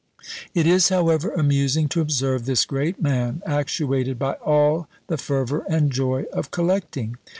It is, however, amusing to observe this great man, actuated by all the fervour and joy of collecting.